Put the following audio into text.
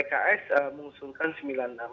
pks mengusulkan sembilan nomor